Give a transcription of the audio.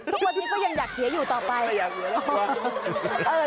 ทุกวันนี้ก็ยังอยากเสียอยู่ต่อไป